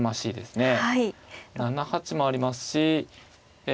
７八もありますしえ